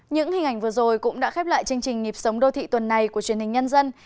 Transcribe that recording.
những hình ảnh vừa rồi cũng đã khép lại chương trình nhịp sống đô thị tuần này của truyền hình nhân dân